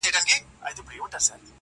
څه پیالې پیالې را ګورې څه نشه نشه ږغېږې,